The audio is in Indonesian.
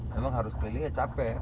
memang harus keliling ya capek